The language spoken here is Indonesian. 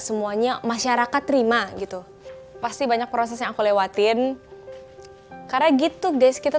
semuanya masyarakat terima gitu pasti banyak proses yang aku lewatin karena gitu gus kita